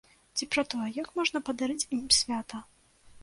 Ці пра тое, як можна падарыць ім свята?